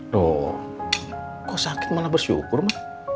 loh kok sakit malah bersyukur mah